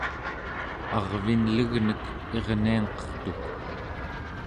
arvinlegnek irniangqertuk